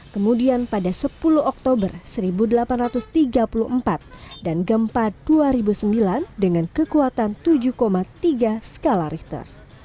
kemudian pada sepuluh oktober seribu delapan ratus tiga puluh empat dan gempa dua ribu sembilan dengan kekuatan tujuh tiga skala richter